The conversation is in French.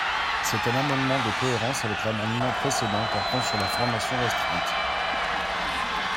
C’est un amendement de cohérence avec l’amendement précédent, portant sur la formation restreinte.